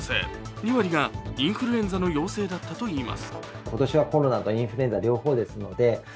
２割がインフルエンザの陽性だったといいます。